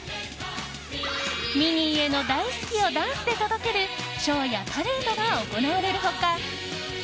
ミニーへの大好きをダンスで届けるショーやパレードが行われる他。